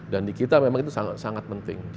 dan di kita memang itu sangat sangat penting